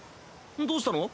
どうしたの？